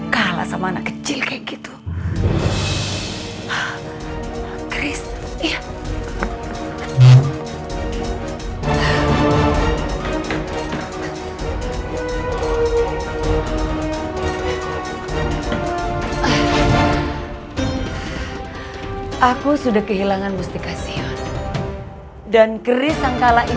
kamu tau gak pipit sama temennya tuh ngusir mama